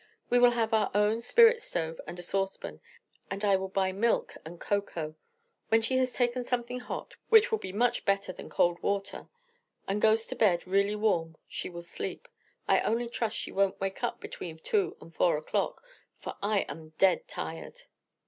We will have our own spirit stove and a saucepan, and I will buy milk and cocoa. When she has taken something hot, which will be much better than cold water, and goes to bed really warm, she will sleep. I only trust she won't wake between two and four o'clock, for I am dead tired."